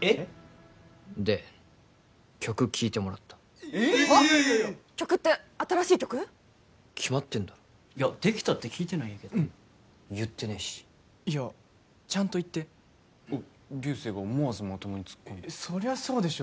えっ？で曲聴いてもらったえっいやいやいや曲って新しい曲？決まってんだろいやできたって聞いてないんやけど言ってねえしいやちゃんと言って竜星が思わずまともにツッコんでるそりゃそうでしょ